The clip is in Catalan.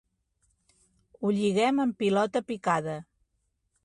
Ho lliguem en pilota picada.